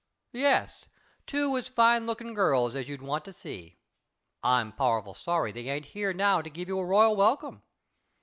"Yes; two as fine looking girls as you'd want to see. I'm powerful sorry they ain't here now to give you a royal welcome.